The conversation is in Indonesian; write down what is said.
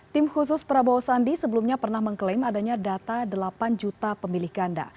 tim khusus prabowo sandi sebelumnya pernah mengklaim adanya data delapan juta pemilih ganda